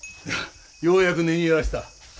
ようやく寝にやらせた。